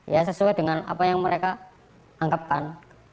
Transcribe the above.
ya sesuai dengan apa yang mereka anggapkan